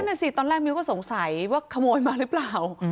นั่นสิตอนแรกมิ้วก็สงสัยว่าขโมยมาหรือเปล่า